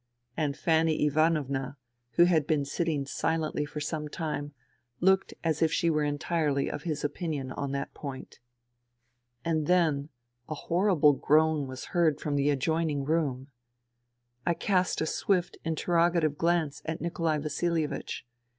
And Fanny Ivanovna, who had been sitting silently for some time, looked as if she were entirely of his opinion on that point. And then a horrible groan was heard from the adjoining room. I cast a swift interrogative glance at Nikolai Vasilievich.